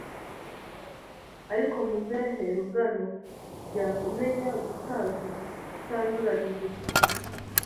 ariko muzehe rugano jya umenya gusaza utanduranije cyane